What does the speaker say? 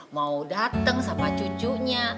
mau dateng sama cucunya